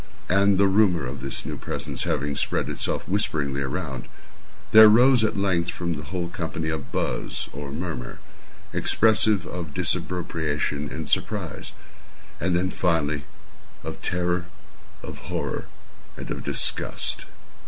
And the rumor of this new presence having spread itself whisperingly around, there arose at length from the whole company a buzz, or murmur, expressive of disapprobation and surprise—then, finally, of terror, of horror, and of disgust.